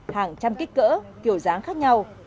hàng trăm kích cỡ kiểu dán khác nhau